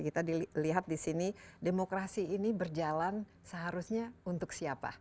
kita dilihat di sini demokrasi ini berjalan seharusnya untuk siapa